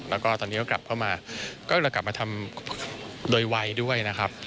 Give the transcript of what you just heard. แล้วก็ตอนนี้ก็กลับเข้ามาก็เลยกลับมาทำโดยวัยด้วยนะครับ